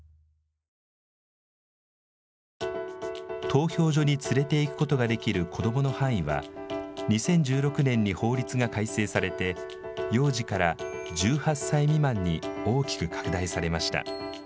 投票所に連れて行くことができる子どもの範囲は２０１６年に法律が改正されて幼児から１８歳未満に大きく拡大されました。